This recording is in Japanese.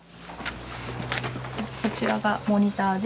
こちらがモニターで